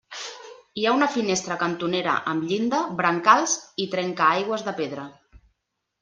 Hi ha una finestra cantonera amb llinda, brancals i trencaaigües de pedra.